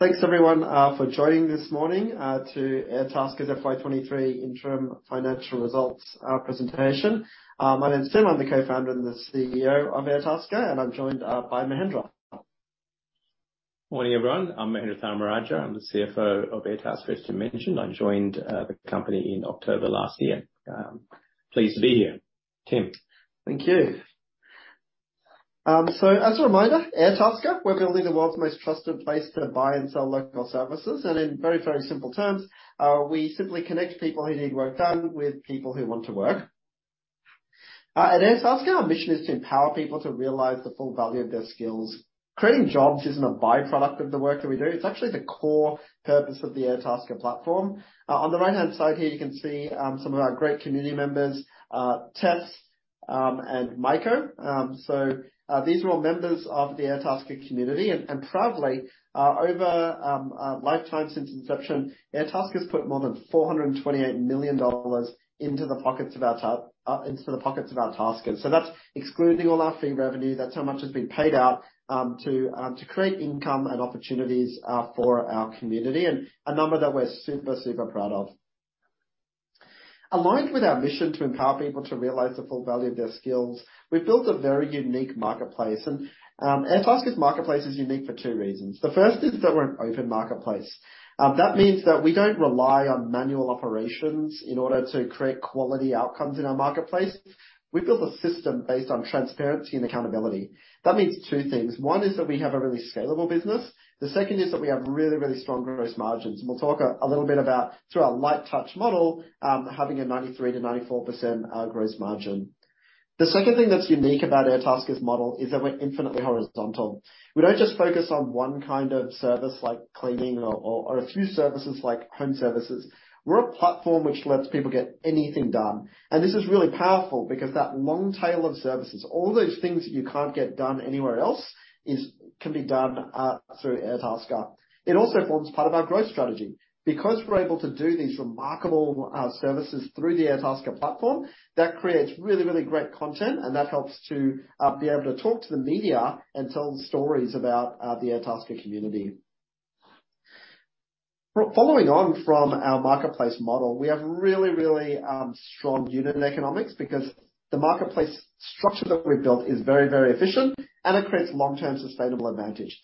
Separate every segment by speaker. Speaker 1: Thanks everyone, for joining this morning, to Airtasker's FY23 interim financial results, presentation. My name is Tim, I'm the co-founder and the CEO of Airtasker, and I'm joined, by Mahendra.
Speaker 2: Morning, everyone. I'm Mahendra Tharmarajah. I'm the CFO of Airtasker, as Tim mentioned. I joined the company in October last year. Pleased to be here. Tim.
Speaker 1: Thank you. As a reminder, Airtasker, we're building the world's most trusted place to buy and sell local services. In very, very simple terms, we simply connect people who need work done with people who want to work. At Airtasker, our mission is to empower people to realize the full value of their skills. Creating jobs isn't a by-product of the work that we do, it's actually the core purpose of the Airtasker platform. On the right-hand side here, you can see some of our great community members, Tess and Miko. These are all members of the Airtasker community. Proudly, over a lifetime since inception, Airtasker has put more than 428 million dollars into the pockets of our taskers. That's excluding all our fee revenue. That's how much has been paid out to create income and opportunities for our community, and a number that we're super proud of. Aligned with our mission to empower people to realize the full value of their skills, we've built a very unique marketplace. Airtasker's marketplace is unique for two reasons. The first is that we're an open marketplace. That means that we don't rely on manual operations in order to create quality outcomes in our marketplace. We've built a system based on transparency and accountability. That means two things. One is that we have a really scalable business. The second is that we have really, really strong gross margins, and we'll talk a little bit about, through our light touch model, having a 93%–94% gross margin. The second thing that's unique about Airtasker's model is that we're infinitely horizontal. We don't just focus on one kind of service like cleaning or a few services like home services. We're a platform which lets people get anything done. This is really powerful because that long tail of services, all those things you can't get done anywhere else can be done through Airtasker. It also forms part of our growth strategy. Because we're able to do these remarkable services through the Airtasker platform, that creates really, really great content, and that helps to be able to talk to the media and tell stories about the Airtasker community. Following on from our marketplace model, we have really, really strong unit economics because the marketplace structure that we've built is very, very efficient and it creates long-term sustainable advantage.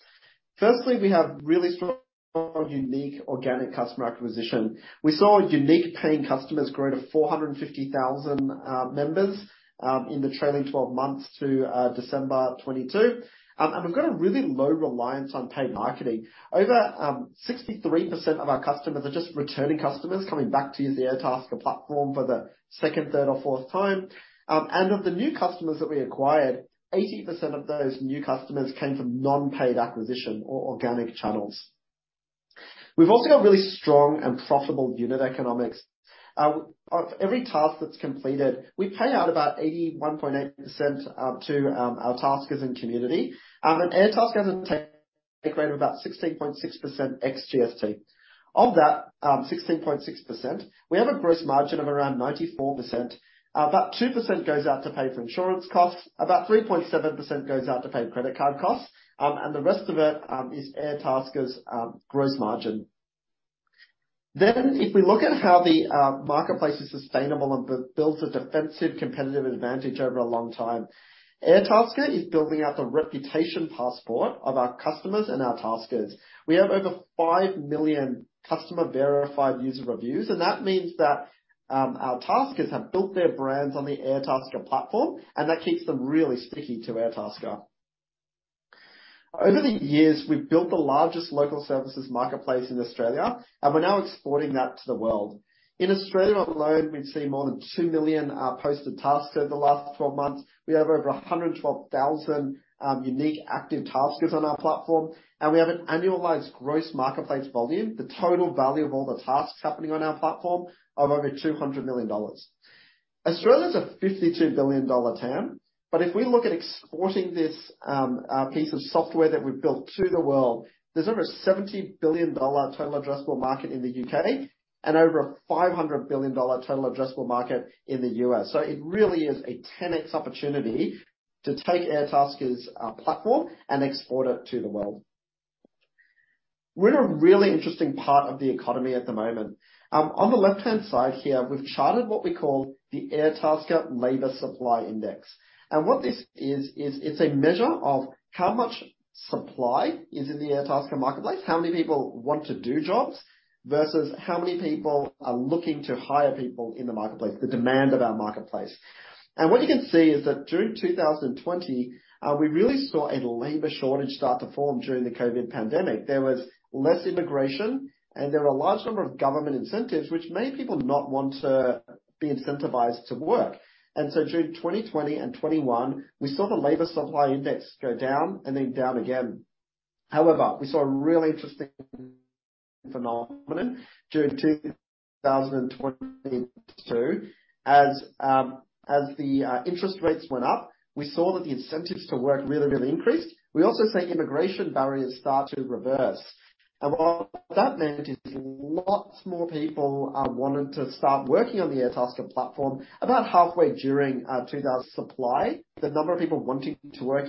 Speaker 1: Firstly, we have really strong, unique organic customer acquisition. We saw unique paying customers grow to 450,000 members in the trailing 12 months to December 2022. We've got a really low reliance on paid marketing. Over 63% of our customers are just returning customers coming back to use the Airtasker platform for the second, third or fourth time. Of the new customers that we acquired, 80% of those new customers came from non-paid acquisition or organic channels. We've also got really strong and profitable unit economics. Of every task that's completed, we pay out about 81.8% to our taskers and community. Airtasker has a take rate of about 16.6% ex-GST. Of that, 16.6%, we have a gross margin of around 94%. About 2% goes out to pay for insurance costs, about 3.7% goes out to pay credit card costs, the rest of it is Airtasker's gross margin. If we look at how the marketplace is sustainable and builds a defensive competitive advantage over a long time, Airtasker is building out the reputation passport of our customers and our taskers. We have over five million customer verified user reviews that means that our taskers have built their brands on the Airtasker platform, that keeps them really sticky to Airtasker. Over the years, we've built the largest local services marketplace in Australia, we're now exporting that to the world. In Australia alone, we've seen more than two million posted tasks over the last 12 months. We have over 112,000 unique active taskers on our platform, and we have an annualized Gross Marketplace Volume, the total value of all the tasks happening on our platform, of over 200 million dollars. Australia is an 52 billion dollar TAM. If we look at exporting this piece of software that we've built to the world, there's over a GBP 70 billion total addressable market in the UK and over a 500 billion dollar total addressable market in the US. It really is a 10x opportunity to take Airtasker's platform and export it to the world. We're in a really interesting part of the economy at the moment. On the left-hand side here, we've charted what we call the Airtasker Wage Price Index. What this is it's a measure of how much supply is in the Airtasker marketplace, how many people want to do jobs, versus how many people are looking to hire people in the marketplace, the demand of our marketplace. What you can see is that during 2020, we really saw a labor shortage start to form during the COVID pandemic. There was less immigration, and there were a large number of government incentives which made people not want to be incentivized to work. During 2020 and 2021, we saw the labor supply index go down and then down again. However, we saw a really interesting phenomenon during 2022. As the interest rates went up, we saw that the incentives to work really increased. We also saw immigration barriers start to reverse. What that meant is lots more people wanted to start working on the Airtasker platform. About halfway during 2000 supply, the number of people wanting to work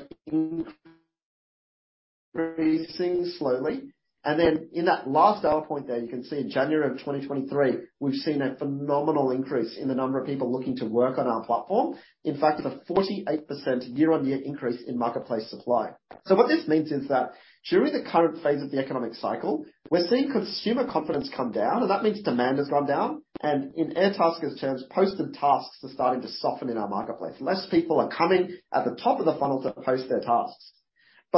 Speaker 1: increased slowly. In that last data point there, you can see in January of 2023, we've seen a phenomenal increase in the number of people looking to work on our platform. In fact, a 48% year-on-year increase in marketplace supply. What this means is that during the current phase of the economic cycle, we're seeing consumer confidence come down, and that means demand has gone down. In Airtasker's terms, posted tasks are starting to soften in our marketplace. Less people are coming at the top of the funnel to post their tasks.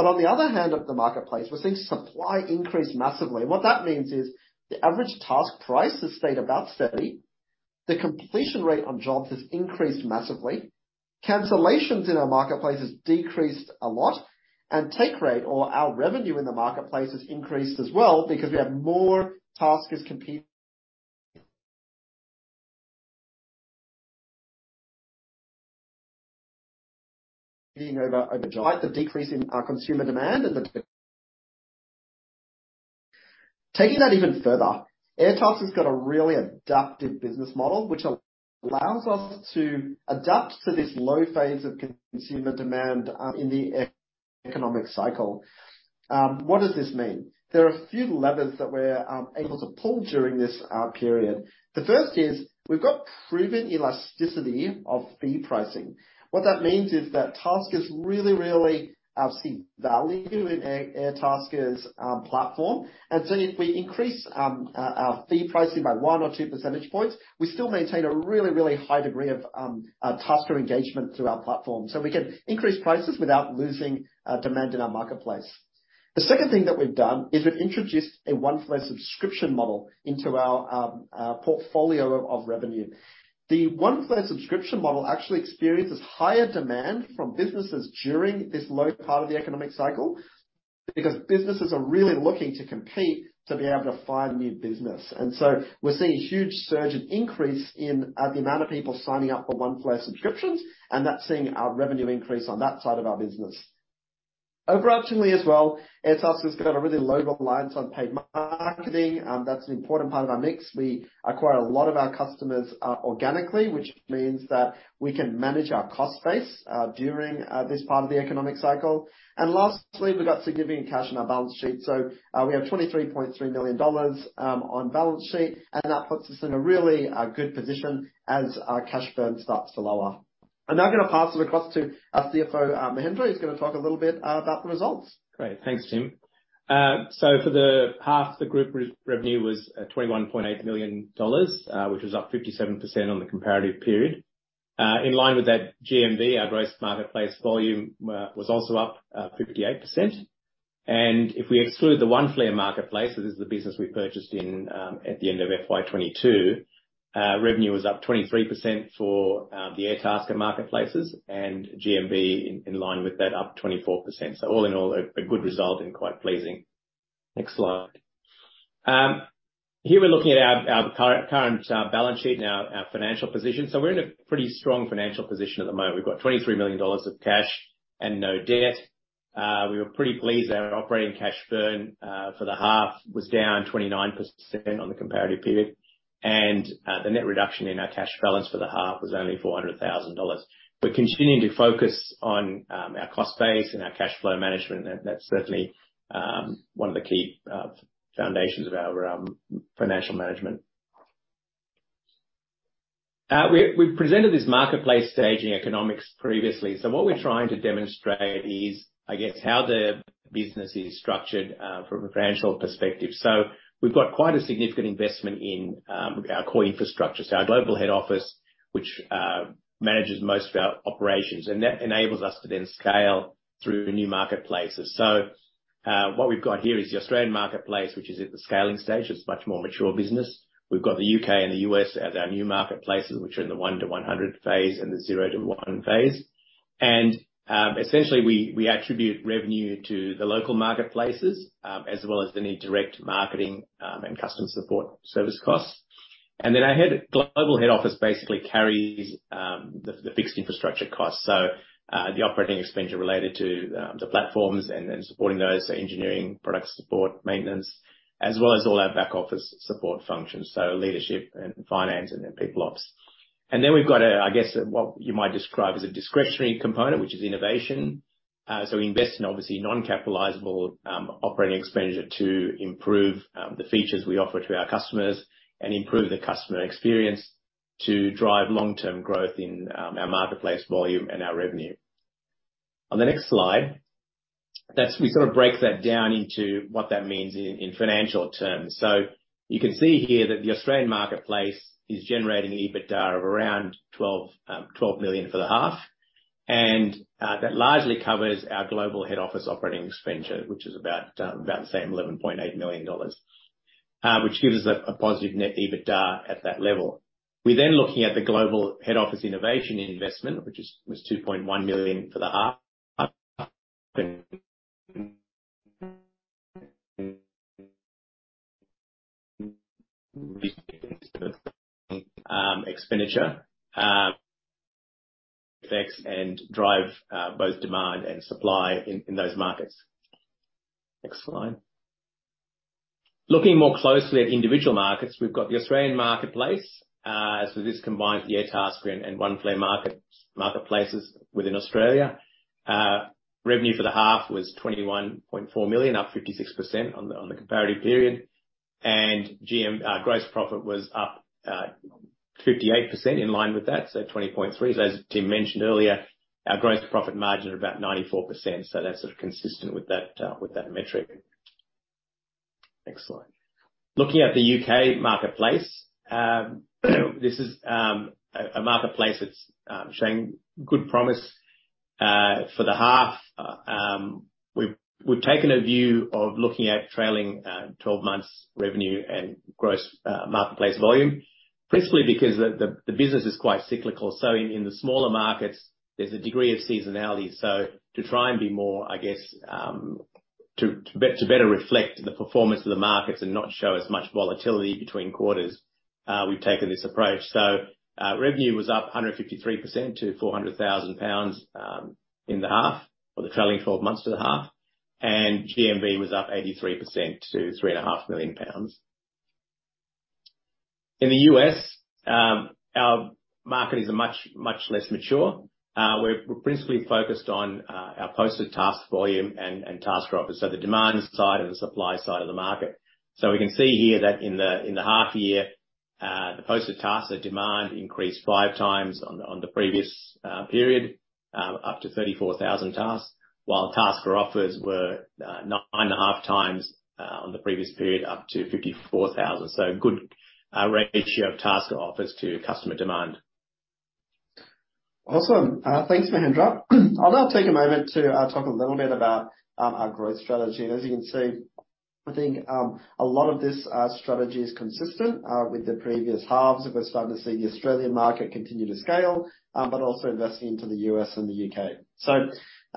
Speaker 1: On the other hand of the marketplace, we're seeing supply increase massively. What that means is the average task price has stayed about steady. The completion rate on jobs has increased massively. Cancellations in our marketplace has decreased a lot, and take rate or our revenue in the marketplace has increased as well because we have more taskers competing over jobs. Despite the decrease in our consumer demand. Taking that even further, Airtasker's got a really adaptive business model, which allows us to adapt to this low phase of consumer demand in the economic cycle. What does this mean? There are a few levers that we're able to pull during this period. The first is we've got proven elasticity of fee pricing. What that means is that taskers really see value in Airtasker's platform. If we increase our fee pricing by 1 or 2 percentage points, we still maintain a really high degree of tasker engagement through our platform, so we can increase prices without losing demand in our marketplace. The second thing that we've done is we've introduced a Oneflare subscription model into our portfolio of revenue. The Oneflare subscription model actually experiences higher demand from businesses during this low part of the economic cycle because businesses are really looking to compete to be able to find new business. We're seeing a huge surge in increase in the amount of people signing up for Oneflare subscriptions, and that's seeing our revenue increase on that side of our business. Overarchingly as well, Airtasker's got a really low reliance on paid marketing. That's an important part of our mix. We acquire a lot of our customers organically, which means that we can manage our cost base during this part of the economic cycle. Lastly, we've got significant cash on our balance sheet. We have 23.3 million dollars on balance sheet, and that puts us in a really good position as our cash burn starts to lower. I'm now gonna pass it across to our CFO, Mahendra, who's gonna talk a little bit about the results.
Speaker 2: Great. Thanks, Tim. For the half, the group revenue was 21.8 million dollars, which was up 57% on the comparative period. In line with that GMV, our Gross Marketplace Volume was also up 58%. If we exclude the Oneflare marketplace, this is the business we purchased at the end of FY22, revenue was up 23% for the Airtasker marketplaces and GMV in line with that up 24%. All in all, a good result and quite pleasing. Next slide. Here we're looking at our current balance sheet and our financial position. We're in a pretty strong financial position at the moment. We've got 23 million dollars of cash and no debt. We were pretty pleased. Our operating cash burn for the half was down 29% on the comparative period. The net reduction in our cash balance for the half was only 400,000 dollars. We're continuing to focus on our cost base and our cash flow management. That's certainly one of the key foundations of our financial management. We presented this marketplace staging economics previously. What we're trying to demonstrate is, I guess, how the business is structured from a financial perspective. We've got quite a significant investment in our core infrastructure. Our global head office, which manages most of our operations, and that enables us to then scale through new marketplaces. What we've got here is the Australian marketplace, which is at the scaling stage. It's much more mature business. We've got the U.K. and the U.S. as our new marketplaces, which are in the one to 100 phase and the 0 to one phase. Essentially, we attribute revenue to the local marketplaces, as well as any direct marketing and customer support service costs. Then our global head office basically carries the fixed infrastructure costs. The operating expenditure related to the platforms and then supporting those, so engineering, product support, maintenance, as well as all our back office support functions, so leadership and finance and then people ops. Then we've got a, I guess, what you might describe as a discretionary component, which is innovation. We invest in obviously non-capitalizable operating expenditure to improve the features we offer to our customers and improve the customer experience to drive long-term growth in our marketplace volume and our revenue. On the next slide, we sort of break that down into what that means in financial terms. You can see here that the Australian marketplace is generating EBITDA of around 12 million for the half. That largely covers our global head office operating expenditure, which is about the same 11.8 million dollars, which gives us a positive net EBITDA at that level. We're then looking at the global head office innovation investment, which was 2.1 million for the half. Expenditure effects and drive both demand and supply in those markets. Next slide. Looking more closely at individual markets, we've got the Australian marketplace. This combines the Airtasker and Oneflare marketplaces within Australia. Revenue for the half was 21.4 million, up 56% on the comparative period. Gross profit was up 58% in line with that, so 20.3 million. As Tim mentioned earlier, our gross profit margin at about 94%, so that's sort of consistent with that metric. Next slide. Looking at the UK marketplace, this is a marketplace that's showing good promise. For the half, we've taken a view of looking at trailing 12 months revenue and Gross Marketplace Volume. Principally because the business is quite cyclical. In the smaller markets, there's a degree of seasonality. To try and be more, I guess, to better reflect the performance of the markets and not show as much volatility between quarters, we've taken this approach. Revenue was up 153% to 400 thousand pounds in the half or the trailing 12 months to the half. GMV was up 83% to three and a half million pounds. In the U.S., our market is a much, much less mature. We're principally focused on our posted task volume and task offers. The demand side and the supply side of the market. We can see here that in the half year, the posted tasks or demand increased five times on the previous period, up to 34,000 tasks. While task offers were nine and a half times on the previous period, up to 54,000. Good ratio of task offers to customer demand.
Speaker 1: Awesome. Thanks, Mahendra. I'll now take a moment to talk a little bit about our growth strategy. As you can see, I think a lot of this strategy is consistent with the previous halves. We're starting to see the Australian market continue to scale, but also investing into the US and the UK.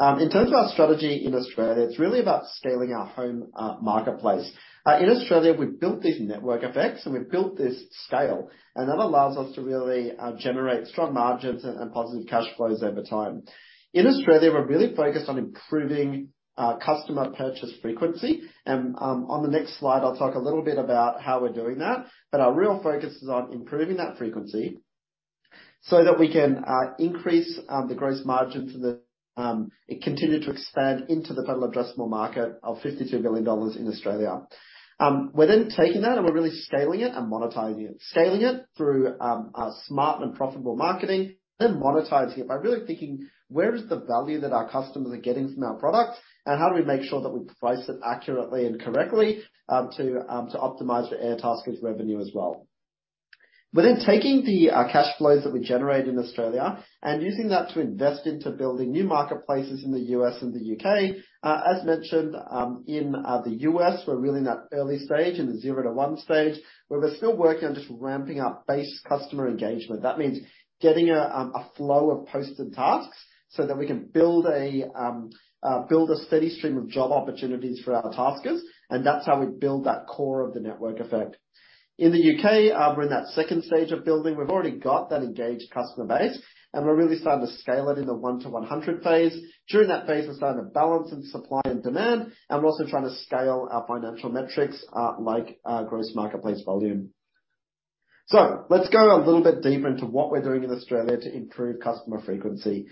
Speaker 1: In terms of our strategy in Australia, it's really about scaling our home marketplace. In Australia, we've built these network effects and we've built this scale, and that allows us to really generate strong margins and positive cash flows over time. In Australia, we're really focused on improving customer purchase frequency. On the next slide, I'll talk a little bit about how we're doing that. Our real focus is on improving that frequency so that we can increase the gross margin for the, continue to expand into the total addressable market of 52 billion dollars in Australia. We're then taking that, and we're really scaling it and monetizing it. Scaling it through smart and profitable marketing. Monetizing it by really thinking where is the value that our customers are getting from our product, and how do we make sure that we price it accurately and correctly to optimize for Airtasker's revenue as well. We're then taking the cash flows that we generate in Australia and using that to invest into building new marketplaces in the US and the UK. As mentioned, in the U.S., we're really in that early stage, in the 0 to one stage, where we're still working on just ramping up base customer engagement. That means getting a flow of posted tasks so that we can build a steady stream of job opportunities for our Taskers, and that's how we build that core of the network effect. In the U.K., we're in that second stage of building. We've already got that engaged customer base, and we're really starting to scale it in the one to 100 phase. During that phase, we're starting to balance in supply and demand, and we're also trying to scale our financial metrics, like Gross Marketplace Volume. Let's go a little bit deeper into what we're doing in Australia to improve customer frequency.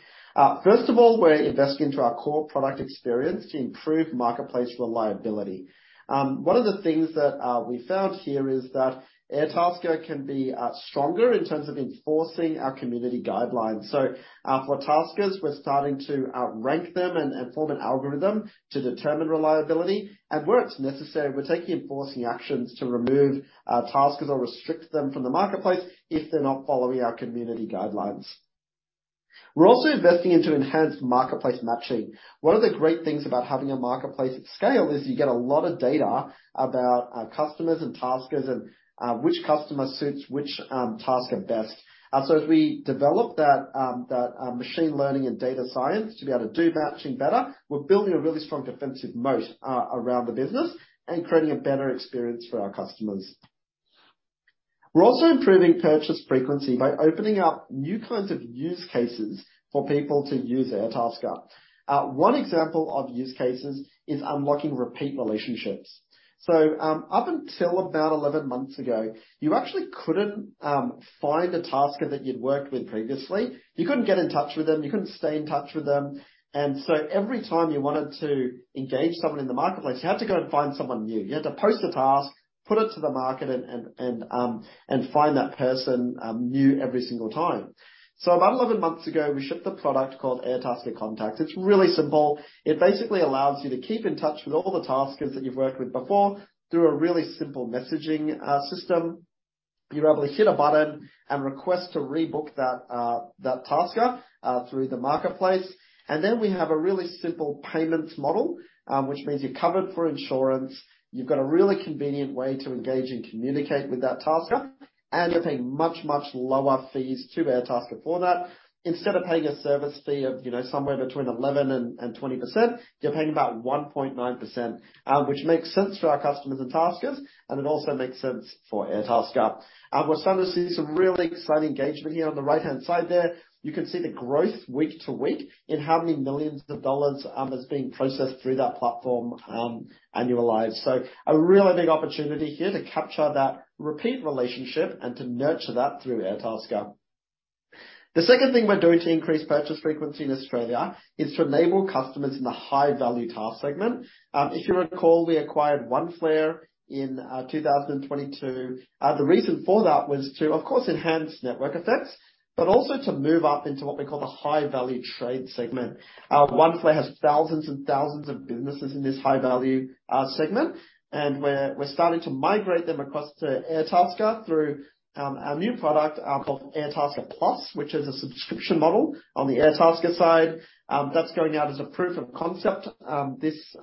Speaker 1: First of all, we're investing into our core product experience to improve marketplace reliability. One of the things that we found here is that Airtasker can be stronger in terms of enforcing our community guidelines. For taskers, we're starting to rank them and form an algorithm to determine reliability. Where it's necessary, we're taking enforcing actions to remove taskers or restrict them from the marketplace if they're not following our community guidelines. We're also investing into enhanced marketplace matching. One of the great things about having a marketplace at scale is you get a lot of data about our customers and taskers and which customer suits which tasker best. As we develop that machine learning and data science to be able to do matching better, we're building a really strong defensive moat around the business and creating a better experience for our customers. We're also improving purchase frequency by opening up new kinds of use cases for people to use Airtasker. One example of use cases is unlocking repeat relationships. Up until about 11 months ago, you actually couldn't find a tasker that you'd worked with previously. You couldn't get in touch with them, you couldn't stay in touch with them, and so every time you wanted to engage someone in the marketplace, you had to go and find someone new. You had to post a task, put it to the market and find that person new every single time. About 11 months ago, we shipped a product called Airtasker Contacts. It's really simple. It basically allows you to keep in touch with all the taskers that you've worked with before through a really simple messaging system. You're able to hit a button and request to rebook that tasker through the marketplace. Then we have a really simple payments model, which means you're covered for insurance, you've got a really convenient way to engage and communicate with that tasker, and you're paying much, much lower fees to Airtasker for that. Instead of paying a service fee of, you know, somewhere between 11% and 20%, you're paying about 1.9%. Which makes sense for our customers and taskers, and it also makes sense for Airtasker. We're starting to see some really exciting engagement here. On the right-hand side there, you can see the growth week to week in how many millions of dollars is being processed through that platform annualized. A really big opportunity here to capture that repeat relationship and to nurture that through Airtasker. The second thing we're doing to increase purchase frequency in Australia is to enable customers in the high-value task segment. If you recall, we acquired Oneflare in 2022. The reason for that was to, of course, enhance network effects, but also to move up into what we call the high-value trade segment. Oneflare has thousands and thousands of businesses in this high-value segment, and we're starting to migrate them across to Airtasker through our new product called Airtasker Plus, which is a subscription model on the Airtasker side. That's going out as a proof of concept, this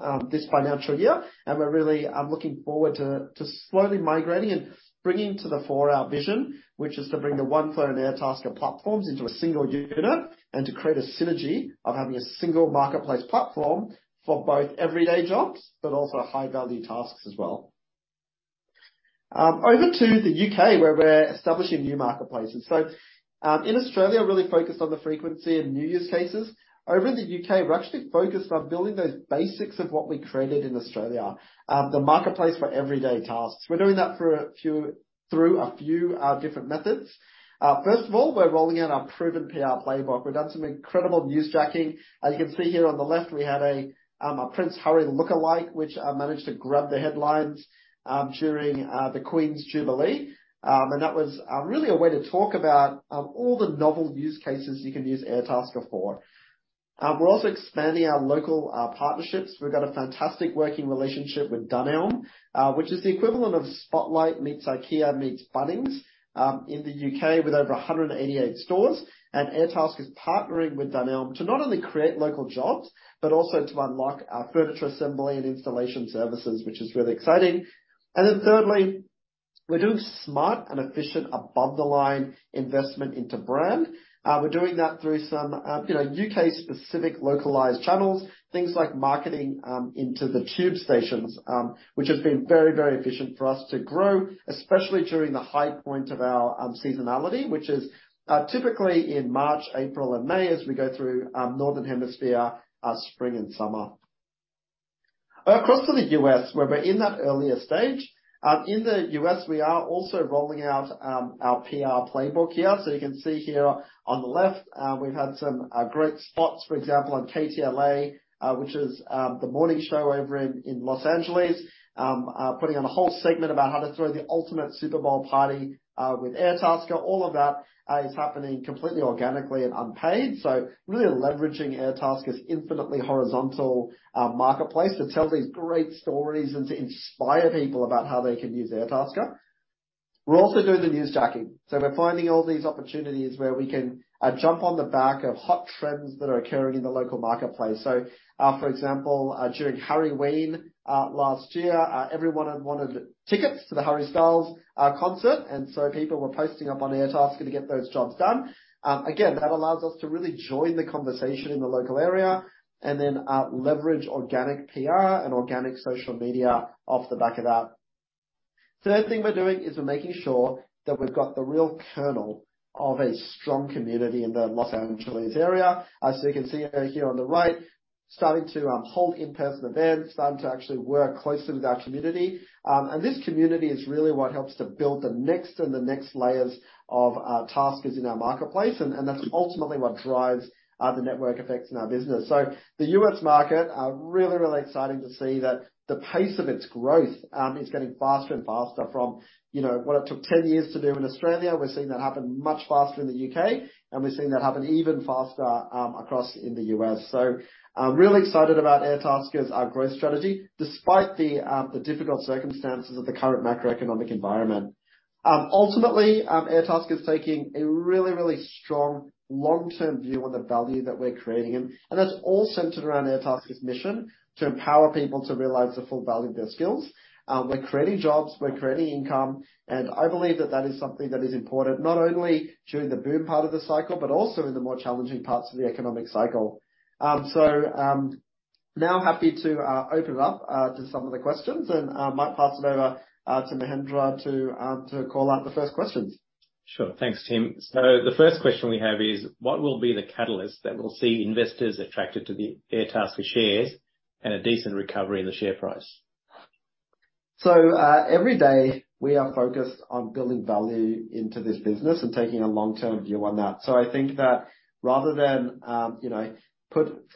Speaker 1: financial year. We're really looking forward to slowly migrating and bringing to the fore our vision, which is to bring the Oneflare and Airtasker platforms into a single unit and to create a synergy of having a single marketplace platform for both everyday jobs but also high-value tasks as well. Over to the UK, where we're establishing new marketplaces. In Australia, really focused on the frequency and new use cases. Over in the UK, we're actually focused on building those basics of what we created in Australia, the marketplace for everyday tasks. We're doing that through a few different methods. First of all, we're rolling out our proven PR playbook. We've done some incredible newsjacking. As you can see here on the left, we had a Prince Harry lookalike, which managed to grab the headlines during the Queen's Jubilee. That was really a way to talk about all the novel use cases you can use Airtasker for. We're also expanding our local partnerships. We've got a fantastic working relationship with Dunelm, which is the equivalent of Spotlight meets IKEA meets Bunnings in the U.K. with over 188 stores. Airtasker is partnering with Dunelm to not only create local jobs but also to unlock our furniture assembly and installation services, which is really exciting. Thirdly, we're doing smart and efficient above-the-line investment into brand. We're doing that through some, you know, U.K.-specific localized channels. Things like marketing, into the tube stations, which has been very, very efficient for us to grow, especially during the high point of our seasonality, which is typically in March, April and May as we go through Northern Hemisphere spring and summer. Across to the U.S., where we're in that earlier stage. In the U.S., we are also rolling out our PR playbook here. You can see here on the left, we've had some great spots, for example, on KTLA, which is the morning show over in Los Angeles. Putting on a whole segment about how to throw the ultimate Super Bowl party with Airtasker. All of that is happening completely organically and unpaid. Really leveraging Airtasker's infinitely horizontal marketplace to tell these great stories and to inspire people about how they can use Airtasker. We're also doing the newsjacking. We're finding all these opportunities where we can jump on the back of hot trends that are occurring in the local marketplace. For example, during Harryween last year, everyone had wanted tickets to the Harry Styles concert, people were posting up on Airtasker to get those jobs done. Again, that allows us to really join the conversation in the local area leverage organic PR and organic social media off the back of that. Third thing we're doing is we're making sure that we've got the real kernel of a strong community in the Los Angeles area. As you can see, here on the right, starting to hold in-person events, starting to actually work closely with our community. This community is really what helps to build the next and the next layers of taskers in our marketplace. That's ultimately what drives the network effects in our business. The U.S. market are really, really exciting to see that the pace of its growth is getting faster and faster from, you know, what it took 10 years to do in Australia. We're seeing that happen much faster in the U.K., and we're seeing that happen even faster across in the U.S. I'm really excited about Airtasker's growth strategy, despite the difficult circumstances of the current macroeconomic environment. Ultimately, Airtasker is taking a really, really strong long-term view on the value that we're creating. That's all centered around Airtasker's mission to empower people to realize the full value of their skills. We're creating jobs, we're creating income. I believe that that is something that is important, not only during the boom part of the cycle, but also in the more challenging parts of the economic cycle. Now happy to open it up to some of the questions. I might pass it over to Mahendra to call out the first questions.
Speaker 2: Sure. Thanks, Tim. The first question we have is, what will be the catalyst that will see investors attracted to the Airtasker shares and a decent recovery in the share price?
Speaker 1: Every day we are focused on building value into this business and taking a long-term view on that. I think that rather than, you know,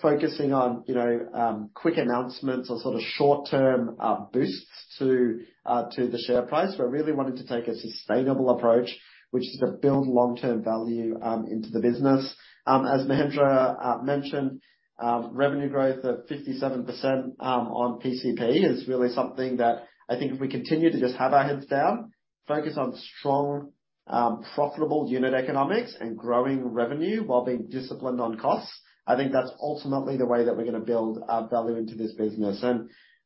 Speaker 1: focusing on, you know, quick announcements or sort of short-term boosts to the share price, we're really wanting to take a sustainable approach, which is to build long-term value into the business. As Mahendra mentioned, revenue growth of 57% on PCP is really something that I think if we continue to just have our heads down, focus on strong, profitable unit economics and growing revenue while being disciplined on costs, I think that's ultimately the way that we're gonna build value into this business.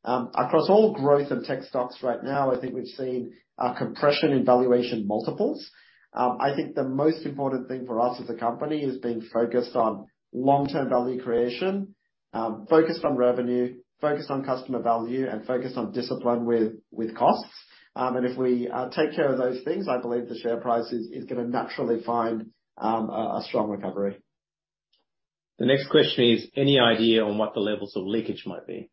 Speaker 1: Across all growth and tech stocks right now, I think we've seen a compression in valuation multiples. I think the most important thing for us as a company is being focused on long-term value creation, focused on revenue, focused on customer value, and focused on discipline with costs. If we take care of those things, I believe the share price is gonna naturally find a strong recovery.
Speaker 2: The next question is any idea on what the levels of leakage might be?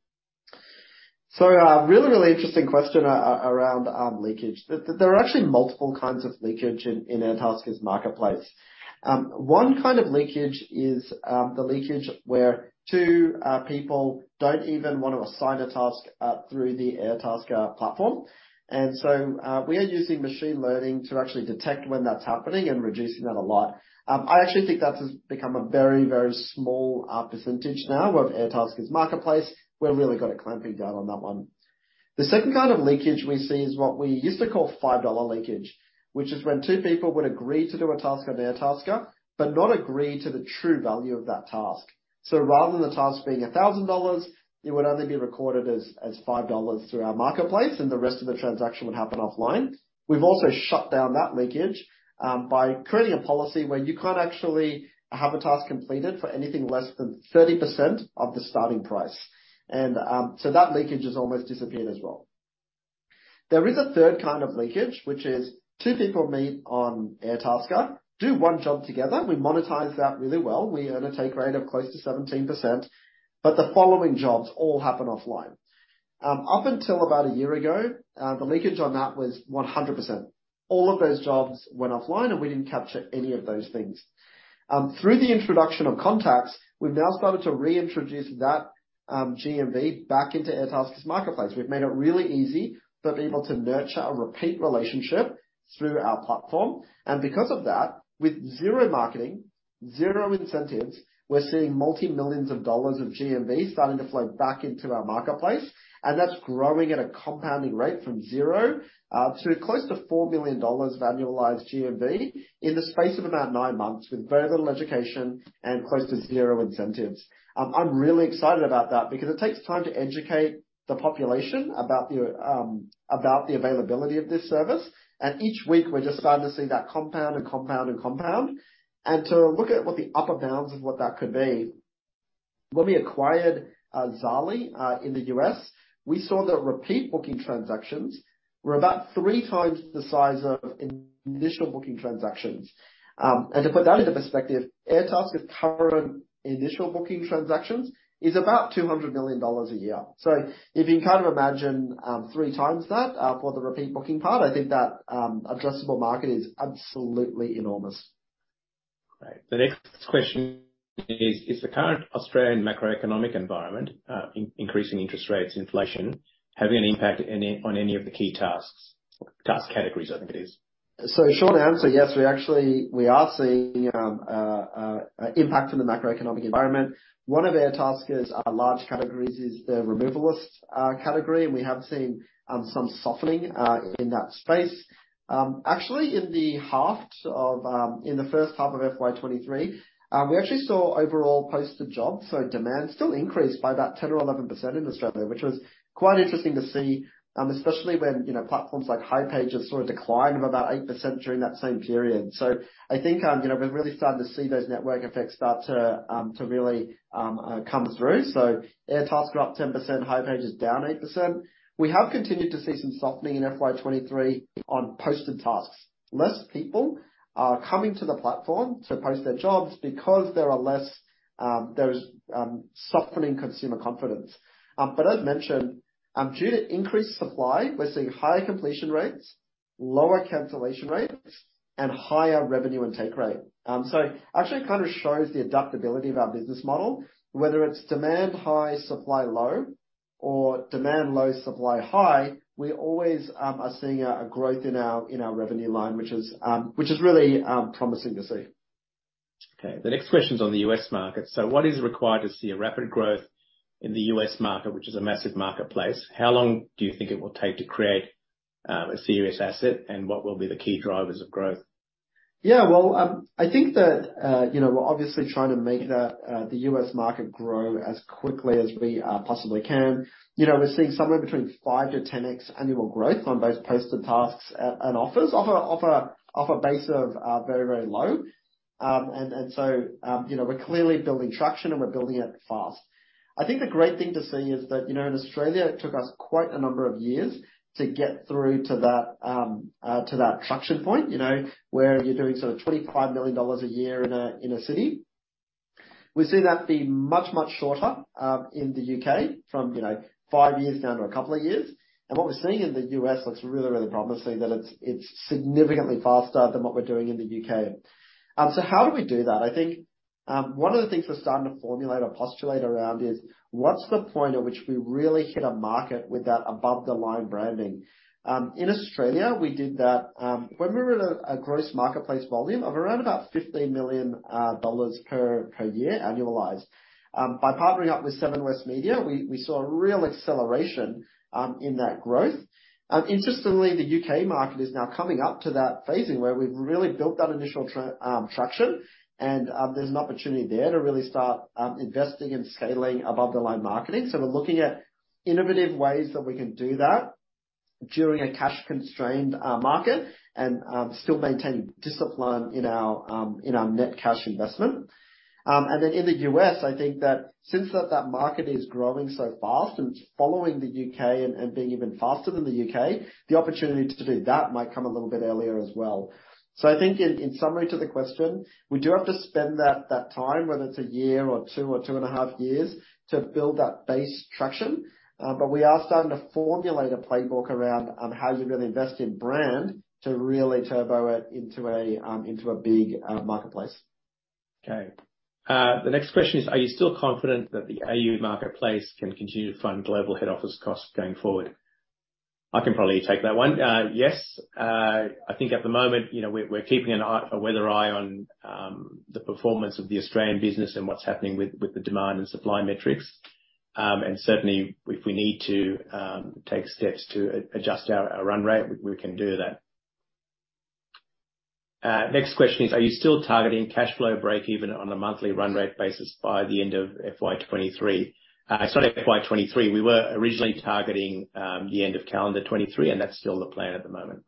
Speaker 1: Really, really interesting question around leakage. There are actually multiple kinds of leakage in Airtasker's marketplace. One kind of leakage is the leakage where two people don't even wanna assign a task through the Airtasker platform. We are using machine learning to actually detect when that's happening and reducing that a lot. I actually think that has become a very, very small percentage now of Airtasker's marketplace. We've really got it clamping down on that one. The second kind of leakage we see is what we used to call 5 dollar leakage, which is when two people would agree to do a task on Airtasker, but not agree to the true value of that task. Rather than the task being 1,000 dollars, it would only be recorded as 5 dollars through our marketplace, and the rest of the transaction would happen offline. We've also shut down that leakage by creating a policy where you can't actually have a task completed for anything less than 30% of the starting price. That leakage has almost disappeared as well. There is a third kind of leakage, which is two people meet on Airtasker, do one job together. We monetize that really well. We earn a take rate of close to 17%. The following jobs all happen offline. Up until about a year ago, the leakage on that was 100%. All of those jobs went offline, and we didn't capture any of those things. Through the introduction of contacts, we've now started to reintroduce that GMV back into Airtasker's marketplace. We've made it really easy for people to nurture a repeat relationship through our platform. Because of that, with zero marketing, zero incentives, we're seeing multi-millions of dollars GMV starting to flow back into our marketplace. That's growing at a compounding rate from zero to close to 4 million dollars of annualized GMV in the space of about 9 months with very little education and close to zero incentives. I'm really excited about that because it takes time to educate the population about the availability of this service. Each week we're just starting to see that compound and compound and compound. To look at what the upper bounds of what that could be. When we acquired Zaarly in the US, we saw that repeat booking transactions were about three times the size of initial booking transactions. To put that into perspective, Airtasker's current initial booking transactions is about 200 million dollars a year. If you can kind of imagine, three times that for the repeat booking part, I think that addressable market is absolutely enormous.
Speaker 2: Great. The next question is the current Australian macroeconomic environment, increasing interest rates, inflation, having an impact on any of the key tasks? Task categories, I think it is.
Speaker 1: Short answer, yes. We are seeing impact from the macroeconomic environment. One of Airtasker's large categories is the removalist category, and we have seen some softening in that space. Actually, in the first half of FY23, we actually saw overall posted jobs, so demand still increased by about 10% or 11% in Australia, which was quite interesting to see, especially when, you know, platforms like hipages have saw a decline of about 8% during that same period. I think, you know, we're really starting to see those network effects start to really come through. Airtasker up 10%, hipages down 8%. We have continued to see some softening in FY23 on posted tasks. Less people are coming to the platform to post their jobs because there's softening consumer confidence. As mentioned, due to increased supply, we're seeing higher completion rates, lower cancellation rates, and higher revenue intake rate. Actually it kinda shows the adaptability of our business model, whether it's demand high, supply low or demand low, supply high, we always are seeing a growth in our revenue line, which is really promising to see.
Speaker 2: The next question is on the U.S. market. What is required to see a rapid growth in the U.S. market, which is a massive marketplace? How long do you think it will take to create a serious asset? What will be the key drivers of growth?
Speaker 1: Yeah. Well, I think that, you know, we're obviously trying to make that, the U.S. market grow as quickly as we possibly can. You know, we're seeing somewhere between 5-10x annual growth on both posted tasks and offers. Off a base of very, very low. So, you know, we're clearly building traction, and we're building it fast. I think the great thing to see is that, you know, in Australia it took us quite a number of years to get through to that traction point, you know, where you're doing sort of 25 million dollars a year in a city. We see that be much, much shorter in the U.K. from, you know, five years down to a couple of years. What we're seeing in the U.S. looks really, really promising, that it's significantly faster than what we're doing in the U.K. How do we do that? I think, one of the things we're starting to formulate or postulate around is what's the point at which we really hit a market with that above-the-line branding. In Australia, we did that, when we were at a Gross Marketplace Volume of around about 15 million dollars per year annualized. By partnering up with Seven West Media, we saw a real acceleration in that growth. Interestingly, the U.K. market is now coming up to that phasing where we've really built that initial traction and there's an opportunity there to really start investing and scaling above-the-line marketing. We're looking at innovative ways that we can do that during a cash-constrained market and still maintain discipline in our net cash investment. Then in the U.S., I think that since that market is growing so fast and it's following the U.K. and being even faster than the U.K., the opportunity to do that might come a little bit earlier as well. I think in summary to the question, we do have to spend that time, whether it's a year or two or two and a half years, to build that base traction. We are starting to formulate a playbook around how do we really invest in brand to really turbo it into a big marketplace.
Speaker 2: Okay. The next question is, are you still confident that the AU marketplace can continue to fund global head office costs going forward? I can probably take that one. Yes. I think at the moment, you know, we're keeping a weather eye on the performance of the Australian business and what's happening with the demand and supply metrics. Certainly if we need to take steps to adjust our run rate, we can do that. Next question is, are you still targeting cash flow breakeven on a monthly run rate basis by the end of FY23? Sorry, FY23. We were originally targeting the end of calendar 2023, and that's still the plan at the moment.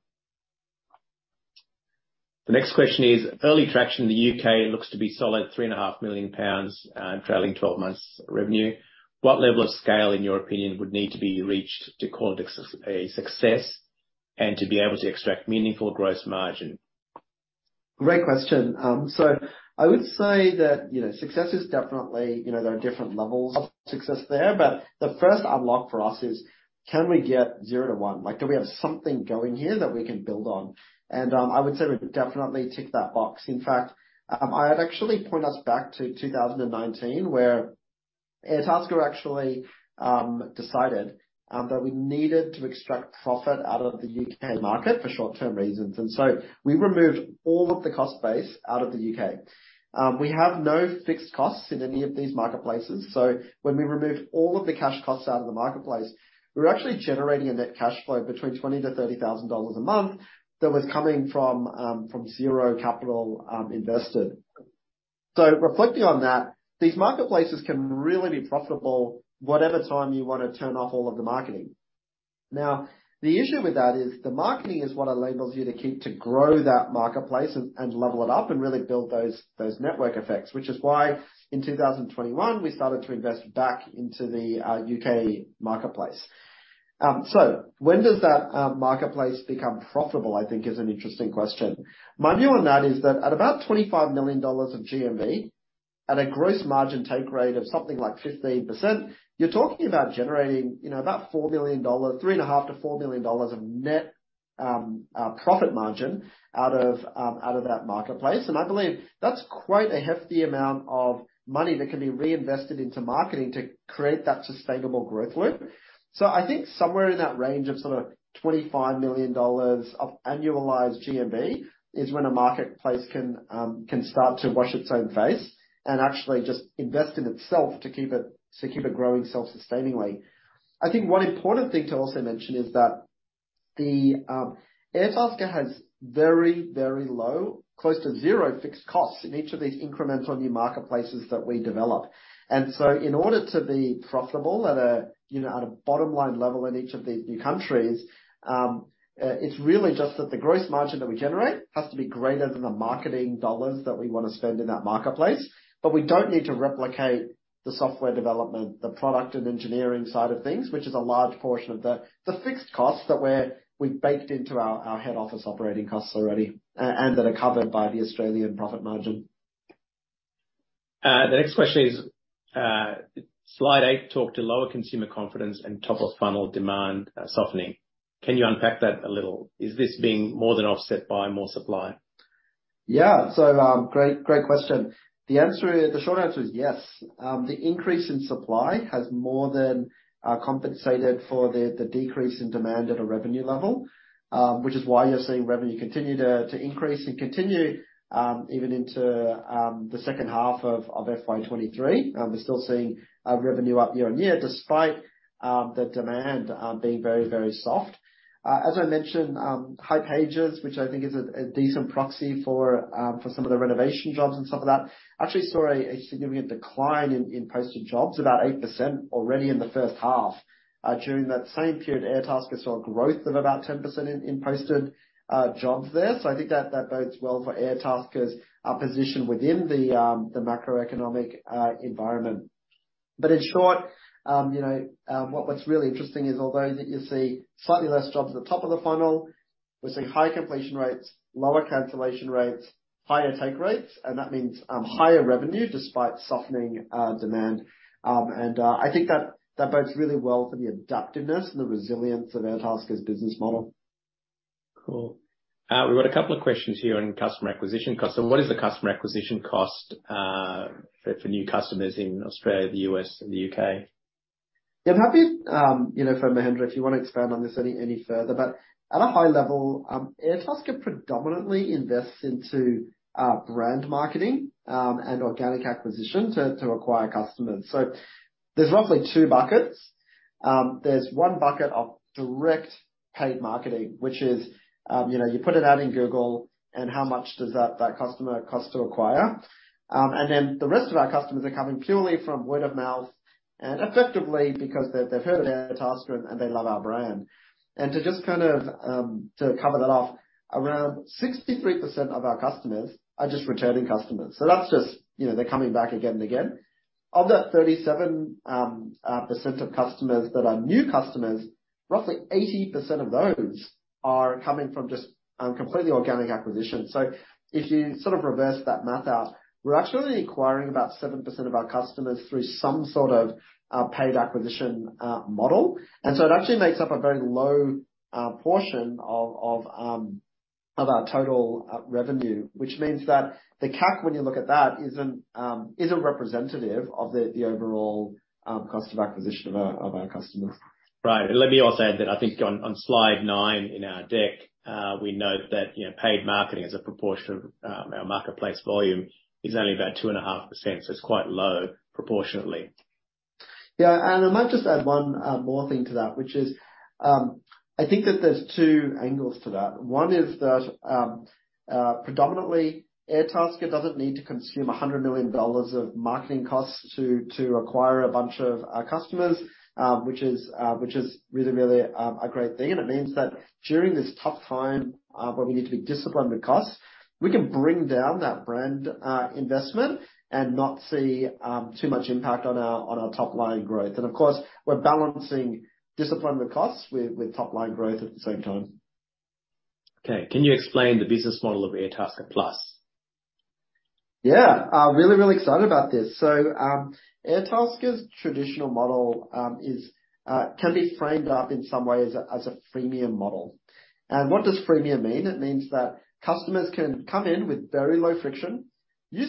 Speaker 2: The next question is, early traction in the U.K. looks to be solid three and a half million pounds, trailing twelve months revenue. What level of scale, in your opinion, would need to be reached to call it a success and to be able to extract meaningful gross margin?
Speaker 1: Great question. I would say that, you know, success is definitely, you know, there are different levels of success there. But the first unlock for us is can we get zero to one? Like, do we have something going here that we can build on? I would say we definitely tick that box. In fact, I'd actually point us back to 2019 where Airtasker actually decided that we needed to extract profit out of the UK market for short-term reasons. We removed all of the cost base out of the UK. We have no fixed costs in any of these marketplaces, so when we removed all of the cash costs out of the marketplace, we were actually generating a net cash flow between 20,000-30,000 dollars a month that was coming from zero capital invested. Reflecting on that, these marketplaces can really be profitable whatever time you wanna turn off all of the marketing. The issue with that is the marketing is what enables you to grow that marketplace and level it up and really build those network effects. In 2021 we started to invest back into the U.K. marketplace. When does that marketplace become profitable, I think is an interesting question. My view on that is that at about 25 million dollars of GMV, at a gross margin take rate of something like 15%, you're talking about generating, you know, about 4 million dollars, 3.5 million-4 million dollars of net profit margin out of that marketplace. I believe that's quite a hefty amount of money that can be reinvested into marketing to create that sustainable growth loop. I think somewhere in that range of sort of 25 million dollars of annualized GMV is when a marketplace can start to wash its own face and actually just invest in itself to keep it growing self-sustainingly. I think one important thing to also mention is that the Airtasker has very, very low, close to zero fixed costs in each of these incremental new marketplaces that we develop. In order to be profitable at a, you know, at a bottom line level in each of these new countries, it's really just that the gross margin that we generate has to be greater than the marketing dollars that we wanna spend in that marketplace. We don't need to replicate the software development, the product and engineering side of things, which is a large portion of the fixed costs that we've baked into our head office operating costs already, and that are covered by the Australian profit margin.
Speaker 2: The next question is, Slide 8 talked to lower consumer confidence and top of funnel demand softening. Can you unpack that a little? Is this being more than offset by more supply?
Speaker 1: Great, great question. The short answer is yes. The increase in supply has more than compensated for the decrease in demand at a revenue level, which is why you're seeing revenue continue to increase and continue even into the second half of FY23. We're still seeing revenue up year-on-year despite the demand being very soft. As I mentioned, hipages, which I think is a decent proxy for some of the renovation jobs and some of that, actually saw a significant decline in posted jobs, about 8% already in the first half. During that same period, Airtasker saw growth of about 10% in posted jobs there. I think that bodes well for Airtasker's position within the macroeconomic environment. In short, you know, what's really interesting is although you see slightly less jobs at the top of the funnel, we're seeing high completion rates, lower cancellation rates, higher take rates, and that means higher revenue despite softening demand. I think that bodes really well for the adaptiveness and the resilience of Airtasker's business model.
Speaker 2: Cool. We've got a couple of questions here on customer acquisition cost. What is the customer acquisition cost for new customers in Australia, the U.S., and the U.K.?
Speaker 1: Yeah. I'm happy, you know, for Mahendra, if you wanna expand on this any further. At a high level, Airtasker predominantly invests into brand marketing and organic acquisition to acquire customers. There's roughly two buckets. There's one bucket of direct paid marketing, which is, you know, you put an ad in Google and how much does that customer cost to acquire. And then the rest of our customers are coming purely from word of mouth and effectively because they've heard of Airtasker and they love our brand. To just kind of cover that off, around 63% of our customers are just returning customers. That's just, you know, they're coming back again and again. Of that 37% of customers that are new customers, roughly 80% of those are coming from just completely organic acquisition. If you sort of reverse that math out, we're actually only acquiring about 7% of our customers through some sort of paid acquisition model. It actually makes up a very low portion of our total revenue. Which means that the CAC, when you look at that, isn't representative of the overall cost of acquisition of our customers.
Speaker 2: Right. let me also add that I think on slide 9 in our deck, we note that, you know, paid marketing as a proportion of our marketplace volume is only about 2.5%, so it's quite low proportionately.
Speaker 1: Yeah. I might just add one more thing to that, which is, I think that there's two angles to that. One is that, predominantly, Airtasker doesn't need to consume 100 million dollars of marketing costs to acquire a bunch of our customers, which is really, really a great thing. It means that during this tough time, where we need to be disciplined with costs, we can bring down that brand investment and not see too much impact on our top line growth. Of course, we're balancing discipline with costs with top line growth at the same time.
Speaker 2: Okay. Can you explain the business model of Airtasker Membership?
Speaker 1: Yeah. Really, really excited about this. Airtasker's traditional model can be framed up in some way as a freemium model. What does freemium mean? It means that customers can come in with very low friction. You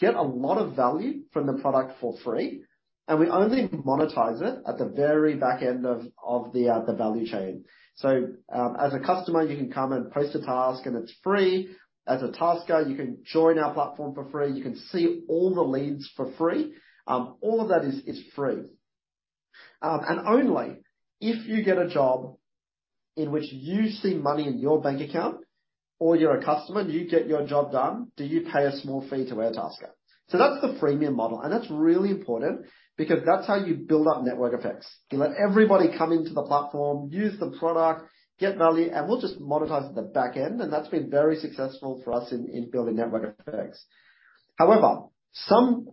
Speaker 1: get a lot of value from the product for free, and we only monetize it at the very back end of the value chain. As a customer, you can come and post a task, and it's free. As a tasker, you can join our platform for free. You can see all the leads for free. All of that is free. Only if you get a job in which you see money in your bank account or you're a customer and you get your job done, do you pay a small fee to Airtasker. That's the freemium model, and that's really important because that's how you build up network effects. You let everybody come into the platform, use the product, get value, and we'll just monetize at the back end. That's been very successful for us in building network effects. However, some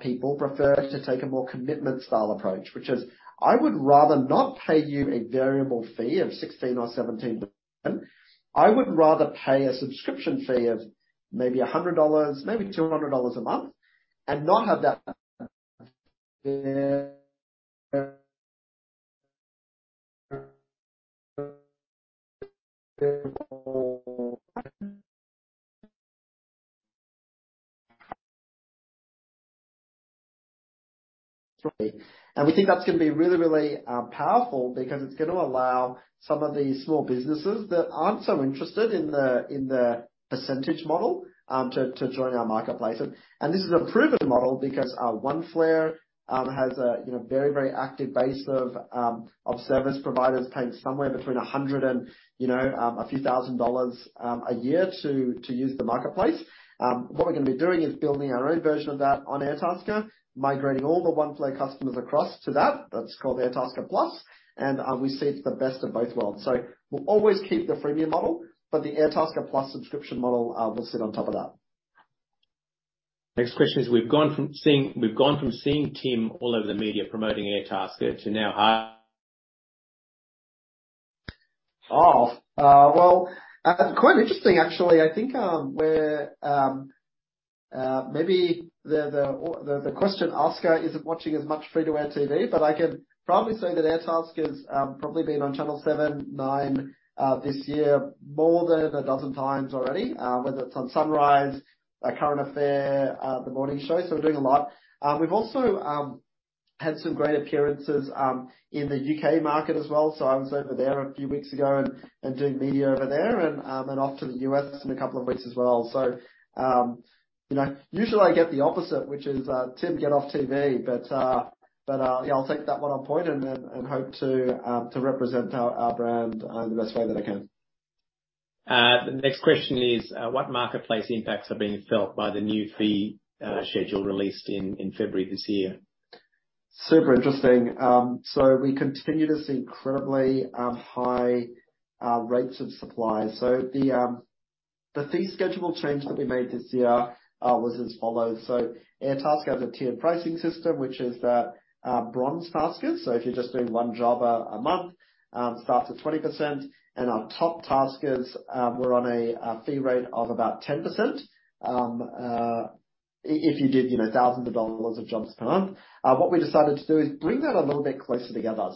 Speaker 1: people prefer to take a more commitment style approach, which is I would rather not pay you a variable fee of 16 or 17. I would rather pay a subscription fee of maybe 100 dollars, maybe 200 dollars a month and not have that. We think that's gonna be really, really powerful because it's gonna allow some of these small businesses that aren't so interested in the percentage model, to join our marketplace. This is a proven model because Oneflare has a very, very active base of service providers paying somewhere between 100 and AUD a few thousand dollars a year to use the marketplace. What we're gonna be doing is building our own version of that on Airtasker, migrating all the Oneflare customers across to that. That's called Airtasker Membership. We see it's the best of both worlds. We'll always keep the freemium model, but the Airtasker Membership subscription model will sit on top of that.
Speaker 2: Next question is, we've gone from seeing Tim all over the media promoting Airtasker.
Speaker 1: Well, quite interesting actually. I think, we're maybe the question asker isn't watching as much free-to-air TV, but I can proudly say that Airtasker's probably been on Channel 7, 9 this year more than 12 times already, whether it's on Sunrise, A Current Affair, The Morning Show. We're doing a lot. We've also had some great appearances in the U.K. market as well. I was over there a few weeks ago and doing media over there and off to the U.S. in a couple of weeks as well. You know. Usually, I get the opposite, which is, "Tim, get off TV." Yeah, I'll take that one on point and hope to represent our brand in the best way that I can.
Speaker 2: The next question is, what marketplace impacts are being felt by the new fee schedule released in February this year?
Speaker 1: Super interesting. We continue to see incredibly high rates of supply. The fee schedule change that we made this year was as follows. Airtasker has a tiered pricing system, which is that our bronze taskers, if you're just doing one job a month, starts at 20%. Our top taskers were on a fee rate of about 10%. If you did, you know, thousands of dollars of jobs per month. We decided to do is bring that a little bit closer together.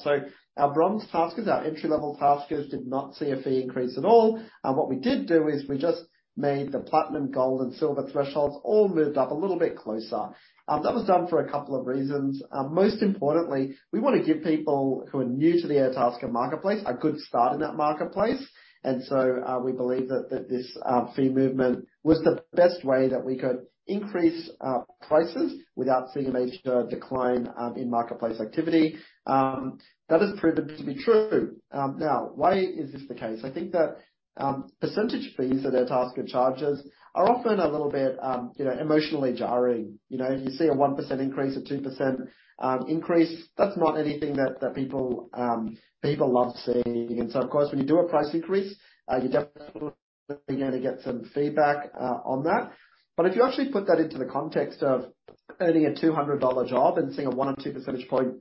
Speaker 1: Our bronze taskers, our entry-level taskers, did not see a fee increase at all. We did do is we just made the platinum, gold, and silver thresholds all moved up a little bit closer. That was done for a couple of reasons. Most importantly, we wanna give people who are new to the Airtasker marketplace a good start in that marketplace. We believe that this fee movement was the best way that we could increase prices without seeing a major decline in marketplace activity. That has proven to be true. Now, why is this the case? I think that percentage fees that Airtasker charges are often a little bit, you know, emotionally jarring. You know, you see a 1% increase, a 2% increase, that's not anything that people love seeing. Of course, when you do a price increase, you're definitely gonna get some feedback on that. If you actually put that into the context of earning a 200 dollar job and seeing a 1 or 2 percentage point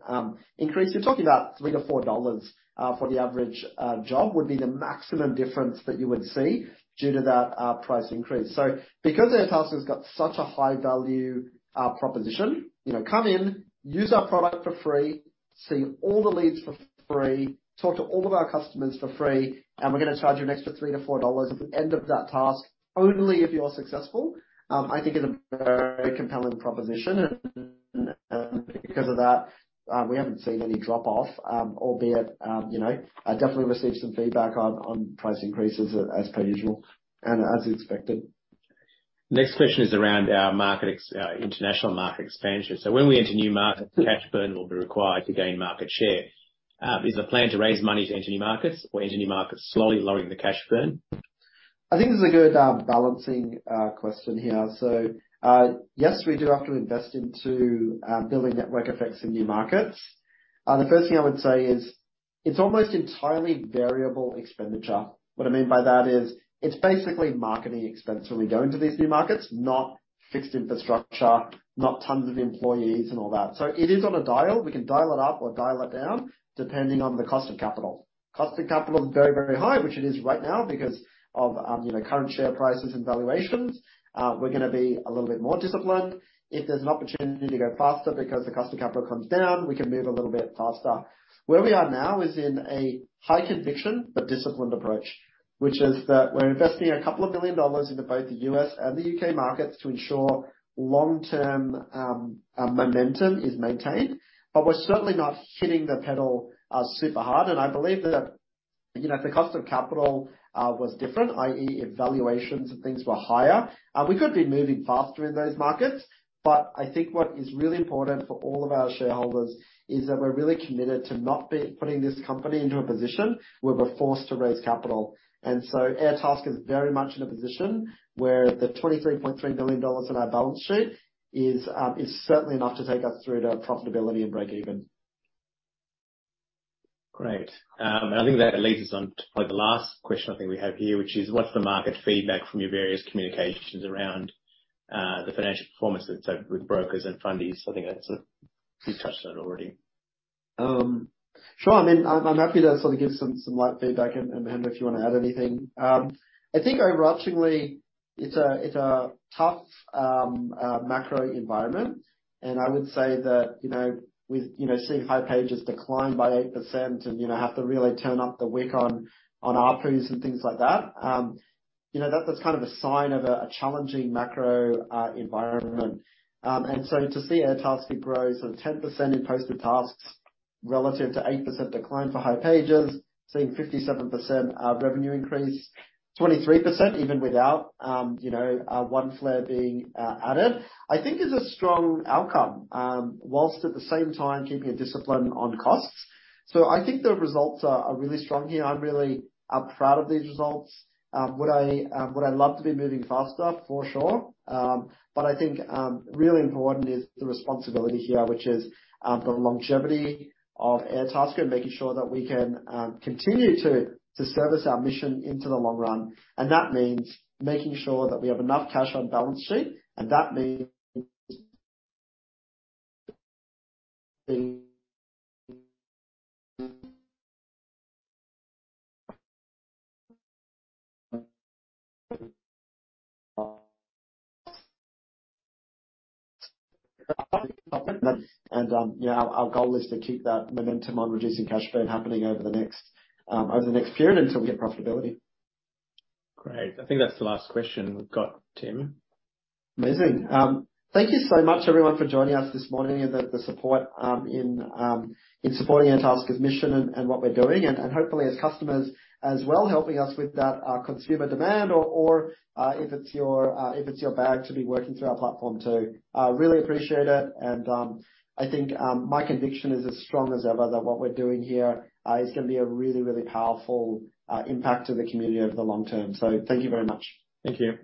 Speaker 1: increase, you're talking about 3-4 dollars for the average job would be the maximum difference that you would see due to that price increase. Because Airtasker's got such a high-value proposition, you know, come in, use our product for free-See all the leads for free, talk to all of our customers for free, and we're gonna charge you an extra 3-4 dollars at the end of that task, only if you are successful, I think is a very compelling proposition. Because of that, we haven't seen any drop off, albeit, you know, I definitely received some feedback on price increases as per usual and as expected.
Speaker 2: Next question is around our market international market expansion. When we enter new markets, cash burn will be required to gain market share. Is the plan to raise money to enter new markets or enter new markets slowly, lowering the cash burn?
Speaker 1: I think this is a good balancing question here. Yes, we do have to invest into building network effects in new markets. The first thing I would say is it's almost entirely variable expenditure. What I mean by that is it's basically marketing expense when we go into these new markets, not fixed infrastructure, not tons of employees and all that. It is on a dial. We can dial it up or dial it down depending on the cost of capital. Cost of capital is very, very high, which it is right now because of, you know, current share prices and valuations. We're gonna be a little bit more disciplined. If there's an opportunity to go faster because the cost of capital comes down, we can move a little bit faster. Where we are now is in a high conviction but disciplined approach. Which is that we're investing a couple of million dollars into both the U.S. and the U.K. markets to ensure long-term momentum is maintained. We're certainly not hitting the pedal super hard. I believe that, you know, if the cost of capital was different, i.e., if valuations and things were higher, we could be moving faster in those markets. I think what is really important for all of our shareholders is that we're really committed to not putting this company into a position where we're forced to raise capital. Airtasker is very much in a position where the 23.3 million dollars on our balance sheet is certainly enough to take us through to profitability and breakeven.
Speaker 2: Great. I think that leads us on to probably the last question I think we have here, which is what's the market feedback from your various communications around the financial performance with brokers and fundies? You've touched on it already.
Speaker 1: Sure. I mean, I'm happy to sort of give some light feedback. Hamish, if you wanna add anything. I think overarchingly it's a tough macro environment. I would say that, you know, with, you know, seeing hipages decline by 8% and, you know, have to really turn up the wick on ARPU and things like that, you know, that's kind of a sign of a challenging macro environment. To see Airtasker grow sort of 10% in posted tasks relative to 8% decline for hipages, seeing 57% revenue increase, 23% even without, you know, Oneflare being added, I think is a strong outcome. Whilst at the same time keeping a discipline on costs. I think the results are really strong here. I really am proud of these results. Would I love to be moving faster? For sure. But I think, really important is the responsibility here, which is the longevity of Airtasker and making sure that we can continue to service our mission into the long run. That means making sure that we have enough cash on balance sheet, that means, you know, our goal is to keep that momentum on reducing cash burn happening over the next period until we hit profitability.
Speaker 2: Great. I think that's the last question we've got, Tim.
Speaker 1: Amazing. Thank you so much everyone for joining us this morning and the support in supporting Airtasker's mission and what we're doing. Hopefully as customers as well, helping us with that consumer demand or if it's your bag to be working through our platform too. Really appreciate it. I think my conviction is as strong as ever that what we're doing here is gonna be a really, really powerful impact to the community over the long term. Thank you very much.
Speaker 2: Thank you.